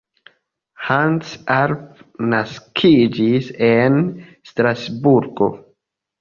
Hans Arp naskiĝis en Strasburgo.